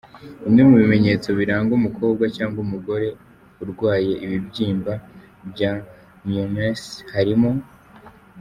Bimwe mu bimenyetso biranga umukobwa cyangwa umugore urwaye ibibyimba bya myomes harimo:.